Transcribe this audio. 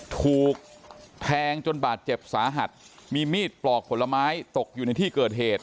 ถูกแทงจนบาดเจ็บสาหัสมีมีดปลอกผลไม้ตกอยู่ในที่เกิดเหตุ